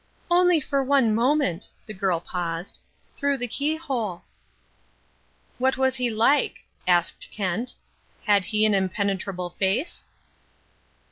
"Only for one moment" the girl paused "through the keyhole." "What was he like?" asked Kent. "Had he an impenetrable face?"